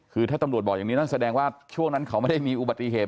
คือถ้าตำรวจบอกอย่างนี้นั่นแสดงว่าช่วงนั้นเขาไม่ได้มีอุบัติเหตุ